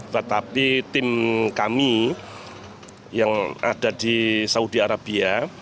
tetapi tim kami yang ada di saudi arabia